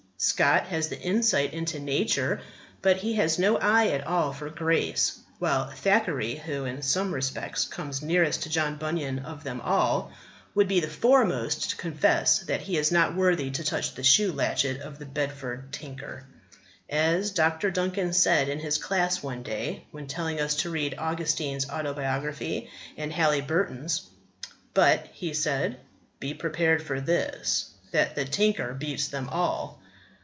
Scott has the insight into nature, but he has no eye at all for grace; while Thackeray, who, in some respects, comes nearest to John Bunyan of them all, would be the foremost to confess that he is not worthy to touch the shoe latchet of the Bedford tinker. As Dr. Duncan said in his class one day when telling us to read Augustine's Autobiography and Halyburton's: "But," he said, "be prepared for this, that the tinker beats them all!"